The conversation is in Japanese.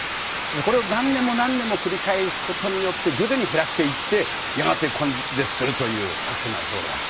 これを何年も何年も繰り返すことによって徐々に減らしていってやがて根絶するという作戦なんですねこれは。